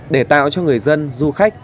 để tạo cho người dân du khách